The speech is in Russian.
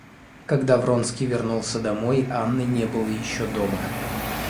Когда Вронский вернулся домой, Анны не было еще дома.